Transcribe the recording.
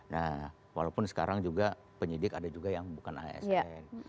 nah walaupun sekarang juga penyidik ada juga yang bukan asn